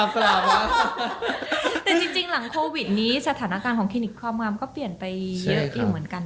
แต่จริงหลังโควิดนี้สถานการณ์ของคลินิกความงามก็เปลี่ยนไปเยอะอยู่เหมือนกัน